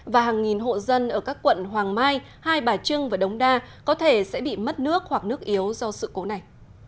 và hàng nghìn hộ dân ở các quận hoàng mai hai bà trưng và đống đa có thể sẽ bị mất nước hoặc nước yếu do sự cố này